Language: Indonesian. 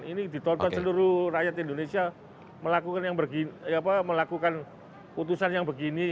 ini ditonton seluruh rakyat indonesia melakukan putusan yang begini